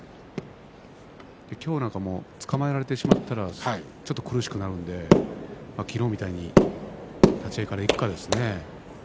今日なんかもつかまえられてしまったらちょっと苦しくなるので昨日みたいに立ち合いからいくかですね。